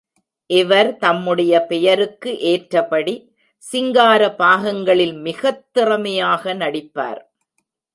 இவர் தம்முடைய பெயருக்கு ஏற்ற படி சிங்கார பாகங்களில் மிகத் திறமையாக நடிப்பார்.